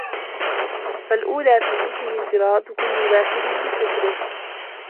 فَالْأَوْلَى فِي مِثْلِهِ انْفِرَادُ كُلِّ وَاحِدٍ بِفِكْرِهِ